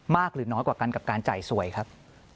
หรือน้อยกว่ากันกับการจ่ายสวยครับ